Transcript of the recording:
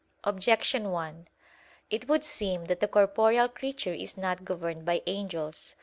Objection 1: It would seem that the corporeal creature is not governed by angels.